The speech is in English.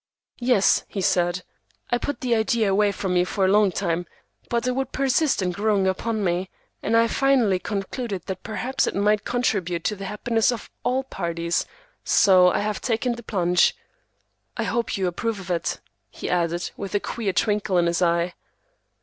"Yes," he said, "I put the idea away from me for a long time, but it would persist in growing upon me, and I finally concluded that perhaps it might contribute to the happiness of all parties, so I have taken the plunge. I hope you approve of it," he added, with a queer twinkle in his eye.